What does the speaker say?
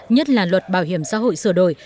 nhất là luật bảo hiểm xã hội sửa đổi